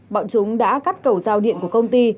bọn chúng đã cắt cầu giao điện của công ty